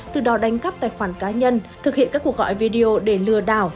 từ đó đánh cắp tài khoản cá nhân thực hiện các cuộc gọi video để lừa đảo